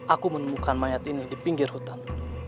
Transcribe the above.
aku menemukan mayat ini di pinggir hutan